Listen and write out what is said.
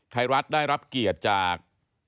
ไทยรัฐได้รับเกียรติจาก